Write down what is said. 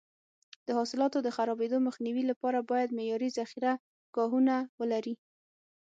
د حاصلاتو د خرابېدو مخنیوي لپاره باید معیاري ذخیره ګاهونه ولري.